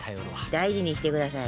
大事にしてください。